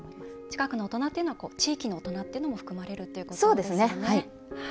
近くの大人というのは地域の大人っていうのも含まれるということですよね。